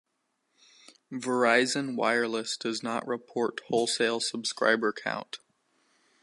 Verizon Wireless does not report wholesale subscriber count.